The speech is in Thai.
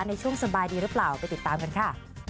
สบายดีหรือเปล่าไปติดตามกันค่ะ